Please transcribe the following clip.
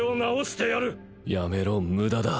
やめろ無駄だ。